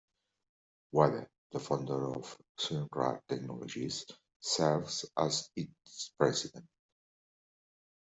Wada, the founder of Shinra Technologies serves as its President.